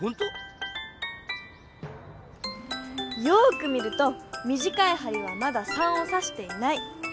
よく見るとみじかいはりはまだ「３」をさしていない。